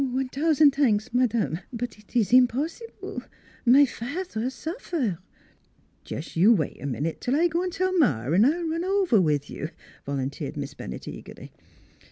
" "One t'ousand t'anks, madame; but it ees im possible. My fat'er suffer "" Jest you wait a minute till I go 'n' tell Ma 'n' I'll run over with you," volunteered Miss Bennett eagerly.